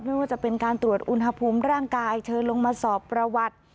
ไม่ว่าจะเป็นการตรวจอุณหภูมิร่างกายเชิญลงมาสอบประวัติ